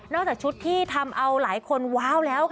จากชุดที่ทำเอาหลายคนว้าวแล้วค่ะ